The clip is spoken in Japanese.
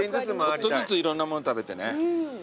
ちょっとずついろんなもの食べてね。